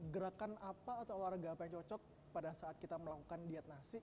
gerakan apa atau olahraga apa yang cocok pada saat kita melakukan diet nasi